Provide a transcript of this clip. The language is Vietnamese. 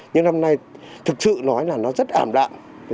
nhưng năm nay thực sự nói là nó rất ảm đạm